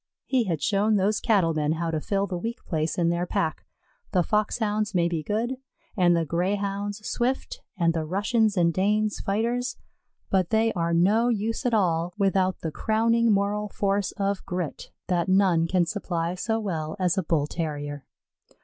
He had shown those Cattle men how to fill the weak place in their pack; the Foxhounds may be good and the Greyhounds swift and the Russians and Danes fighters, but they are no use at all without the crowning moral force of grit, that none can supply so well as a Bull terrier.